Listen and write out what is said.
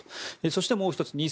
そしてもう１つ